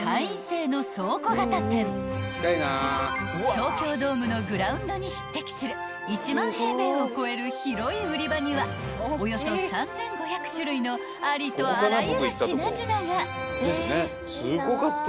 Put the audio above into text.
［東京ドームのグラウンドに匹敵する１万平米を超える広い売り場にはおよそ３，５００種類のありとあらゆる品々が］